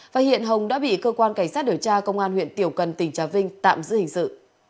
và hiện hồng đã bị cơ quan cảnh sát điều tra công an huyện tiểu cần tỉnh trà vinh tạm giữ hình sự